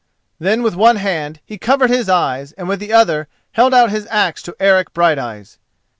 Then with one hand he covered his eyes and with the other held out his axe to Eric Brighteyes.